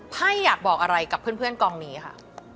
ไพ่อยากบอกอะไรกับเพื่อนกองนี้ค่ะ